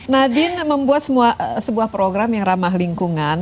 nadiem membuat sebuah program yang ramah lingkungan